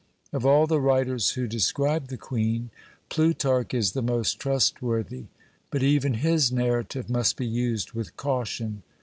Of all the writers who describe the Queen, Plutarch is the most trustworthy, but even his narrative must be used with caution.